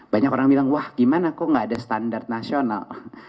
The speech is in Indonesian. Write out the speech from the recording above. banyak orang bilang wah gimana kok nggak ada standar nasional